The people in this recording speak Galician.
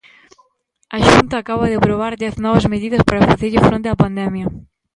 A Xunta acaba de aprobar dez novas medidas para facerlle fronte á pandemia.